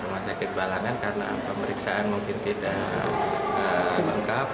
rumah sakit balangan karena pemeriksaan mungkin tidak lengkap